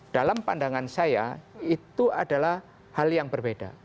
dalam pandangan saya itu adalah hal yang berbeda